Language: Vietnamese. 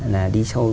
là đi sâu